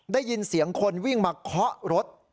ได้ยินเสียงคนวิ่งมาเคาะรถ